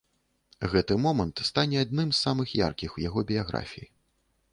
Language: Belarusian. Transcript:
Гэты момант стане адным з самых яркіх у яго біяграфіі.